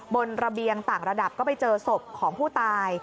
ระเบียงต่างระดับก็ไปเจอศพของผู้ตาย